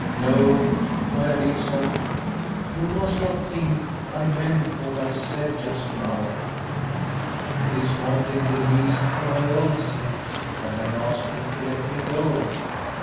262 Liliecrona's Home "No, Maia Lisa, you must not think I meant what I said just now. It is not in the least for my own sake that I ask you to let me go.